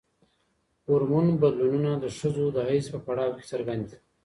هورمون بدلونونه د ښځو د حیض په پړاو کې څرګند دي.